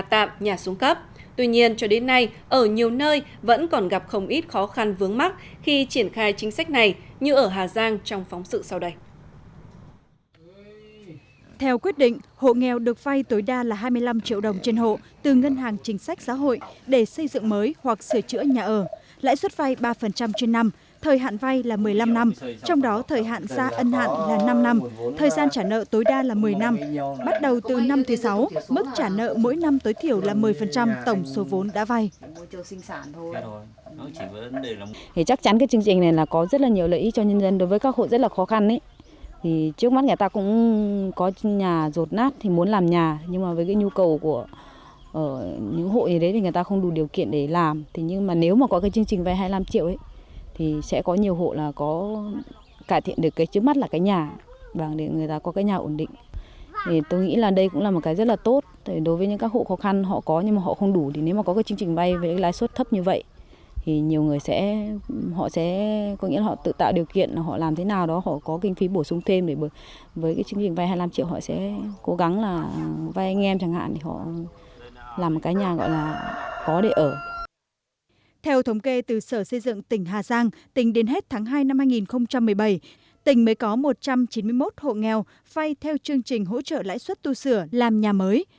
theo thống kê từ sở xây dựng tỉnh hà giang tỉnh đến hết tháng hai năm hai nghìn một mươi bảy tỉnh mới có một trăm chín mươi một hộ nghèo phai theo chương trình hỗ trợ lãi suất tu sửa làm nhà mới